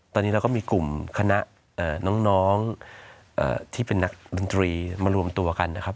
ตอนนี้เราก็มีกลุ่มคณะน้องที่เป็นนักดนตรีมารวมตัวกันนะครับ